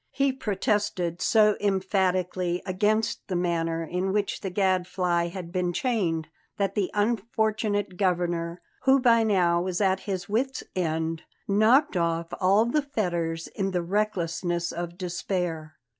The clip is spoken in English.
He protested so emphatically against the manner in which the Gadfly had been chained that the unfortunate Governor, who by now was at his wit's end, knocked off all the fetters in the recklessness of despair.